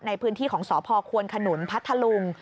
ในพื้นที่ของสพควนขนุนพัทธลุง